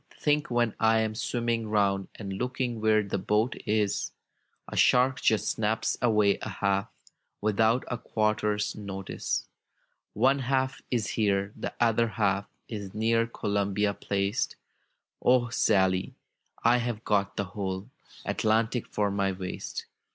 think when I am swimming round. And looking where the boat is, A shark just snaps away a half, Without 'a quarterns notice/ Death's Ramble 801 '^One half is here, the other half Is near Columbia placed; O Sally, I have got the whole Atlantic for my waist.